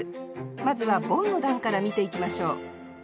まずはボンの段から見ていきましょう